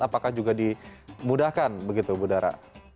apakah juga dimudahkan begitu bu dara